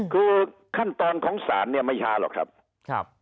คือขั้นตอนของศาลเนี่ยไม่ช้าหรอกครับ